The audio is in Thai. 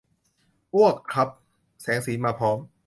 อ้วกครับ แสงสีมาพร้อม